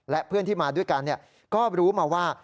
และเพื่อนที่มาด้วยกันก็รู้มาว่า